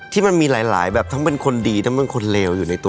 ที่มันมีหลายแบบทั้งคนดีทั้งคนเลวอยู่ในตัว